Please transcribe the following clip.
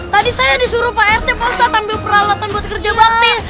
tadi saya disuruh pak rt poto ambil peralatan buat kerja bakti